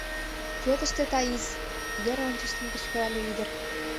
Кӧ тыште Таис? — йыр ончыштын, кычкырале ӱдыр.